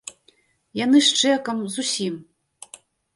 Яны з чэкам, з усім.